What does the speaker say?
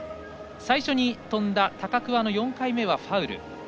最初に跳んだ高桑の４回目はファウル。